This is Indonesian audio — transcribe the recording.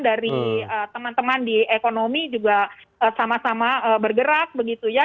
dari teman teman di ekonomi juga sama sama bergerak begitu ya